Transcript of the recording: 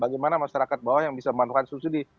bagaimana masyarakat bawah yang bisa memanfaatkan subsidi